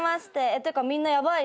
ってかみんなヤバいね。